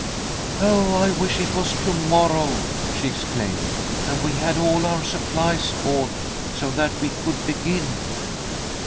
"Oh, I wish it was to morrow," she exclaimed, "and we had all our supplies bought so that we could begin."